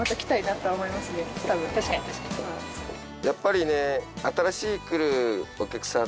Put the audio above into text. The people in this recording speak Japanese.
やっぱりね。